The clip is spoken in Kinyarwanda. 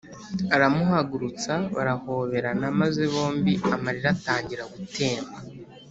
aramuhagurutsa barahoberana maze bombi amarira atangira gutemba